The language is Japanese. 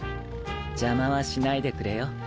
邪魔はしないでくれよ。